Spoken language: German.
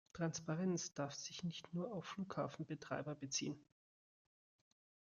Transparenz darf sich nicht nur auf die Flughafenbetreiber beziehen.